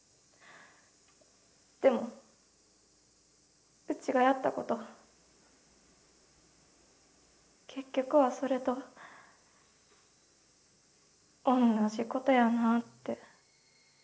でもうちがやったこと結局はそれと同じことやなって。